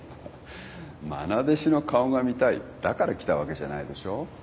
まな弟子の顔が見たいだから来たわけじゃないでしょ。